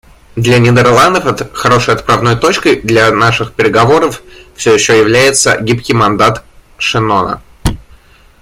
Для Нидерландов хорошей отправной точкой для наших переговоров все еще является гибкий мандат Шеннона.